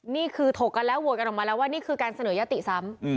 นี่คือถกกันแล้วโหวตกันออกมาแล้วว่านี่คือการเสนอยติซ้ำ